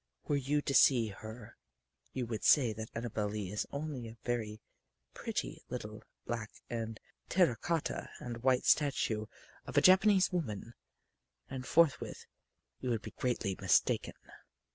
Were you to see her you would say that Annabel Lee is only a very pretty little black and terra cotta and white statue of a Japanese woman. And forthwith you would be greatly mistaken.